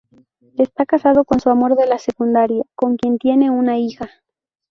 Está casado con su amor de la secundaria, con quien tiene una hija.